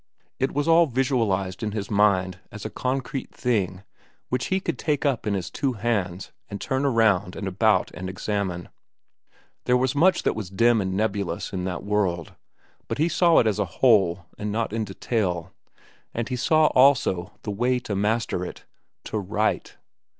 It was all visualized in his mind as a concrete thing which he could take up in his two hands and turn around and about and examine. There was much that was dim and nebulous in that world, but he saw it as a whole and not in detail, and he saw, also, the way to master it. To write!